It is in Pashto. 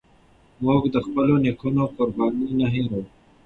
موږ د خپلو نيکونو قربانۍ نه هيروو.